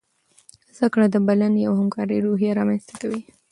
زده کړه د بلنې او همکارۍ روحیه رامنځته کوي.